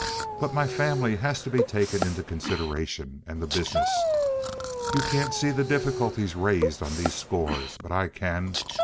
But my family has to be taken into consideration, and the business. You can't see the difficulties raised on these scores, but I can.